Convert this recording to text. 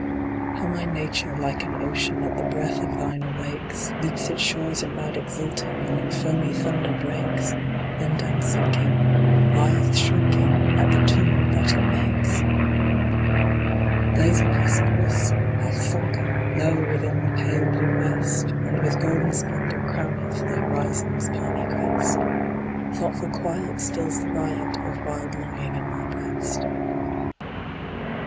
How my nature, like an ocean, At the breath of thine awakes, Leaps its shores in mad exulting And in foamy thunder breaks, Then downsinking, lieth shrinking At the tumult that it makes! Blazing Hesperus hath sunken Low within the pale blue west, And with golden splendor crowneth The horizon's piny crest; Thoughtful quiet stills the riot Of wild longing in my breast.